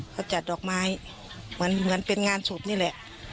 เขาจัดดอกไม้เหมือนเป็นงานศพนี่แหละ